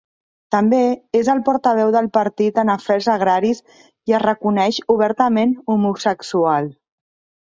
També és el portaveu del partit en afers agraris i es reconeix obertament homosexual.